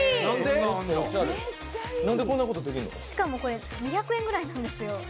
しかも２００円ぐらい何ですよ。